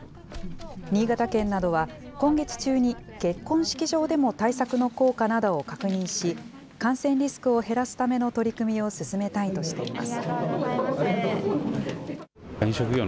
新潟県などは、今月中に結婚式場でも対策の効果などを確認し、感染リスクを減らすための取り組みを進めたいとしています。